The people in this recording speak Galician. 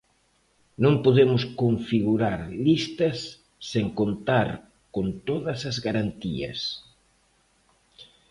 Non podemos configurar listas sen contar con todas as garantías.